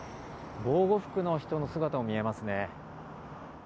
防護服の人の姿も見えますね。